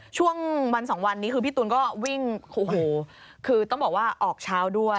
ช่วงวันสองวันนี้คือพี่ตูนก็วิ่งโอ้โหคือต้องบอกว่าออกเช้าด้วย